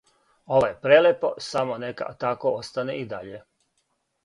Ово је прелепо, само нека тако остане и даље!